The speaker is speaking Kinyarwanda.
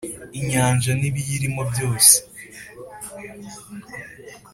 Inyanja n ibiyirimo byose